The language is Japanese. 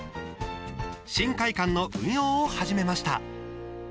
新会館の運用を始めました。